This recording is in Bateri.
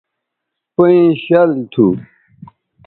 پئیں شَل تھو